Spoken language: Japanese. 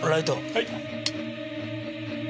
はい。